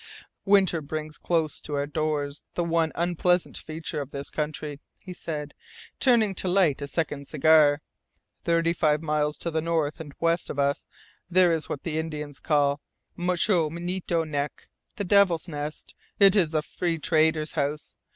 "Winter brings close to our doors the one unpleasant feature of this country," he said, turning to light a second cigar. "Thirty five miles to the north and west of us there is what the Indians call 'Muchemunito Nek' the Devil's Nest. It's a Free Trader's house.